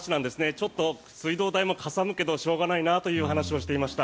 ちょっと水道代もかさむけどしょうがないなという話をしていました。